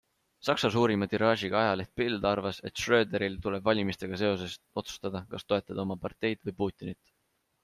Saksa suurima tiraažiga ajaleht Bild arvas, et Schröderil tuleb valimistega seoses otsustada, kas toetada oma parteid või Putinit.